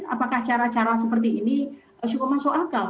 apakah cara cara seperti ini cukup masuk akal